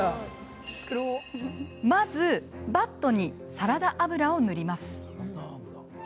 まず、バットにサラダ油を塗ります。